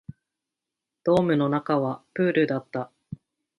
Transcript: ドームの中はプールだった